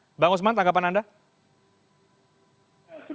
sebenarnya kalau dikatakan bahwa undang undang ini tidak berhasil